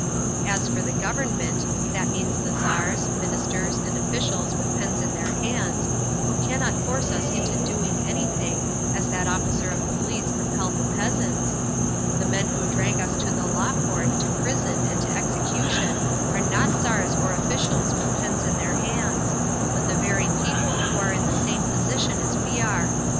As for the government that means the tzars, ministers, and officials with pens in their hands, who cannot force us into doing anything, as that officer of police compelled the peasants; the men who will drag us to the law court, to prison, and to execution, are not tzars or officials with pens in their hands, but the very people who are in the same position as we are.